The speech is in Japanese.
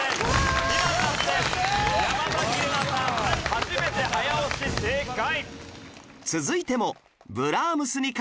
初めて早押し正解。